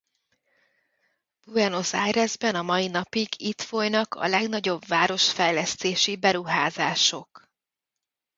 Buenos Airesben a mai napig itt folynak a legnagyobb városfejlesztési beruházások.